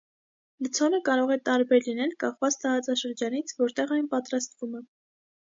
Լցոնը կարող է տարբեր լինել՝ կախված տարածաշրջանից, որտեղ այն պատրաստվում է։